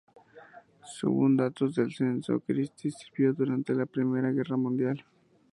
Según datos del censo, Christy sirvió durante la Primera Guerra Mundial.